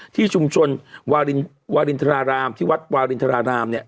ที่ชุมชนวารินทรารามที่วัดวารินทรารามเนี่ย